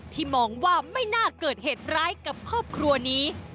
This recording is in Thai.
มองว่าไม่น่าเกิดเหตุร้ายกับครอบครัวนี้